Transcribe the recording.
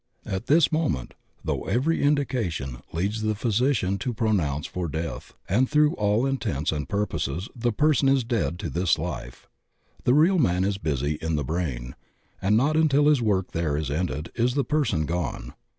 At this moment, though every indi cation leads the physician to pronounce for death and though to all intents and purposes the person is dead to this life, the real man is busy in the brain, and not until his work there is ended is the 100 THE OCEAN OF THEOSOPHY person gone.